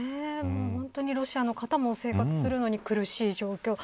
本当にロシアの方も生活するのに苦しい状況。